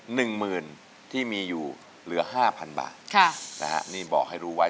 หนึ่งหมื่นที่มีอยู่เหลือห้าพันบาทค่ะนะฮะนี่บอกให้รู้ไว้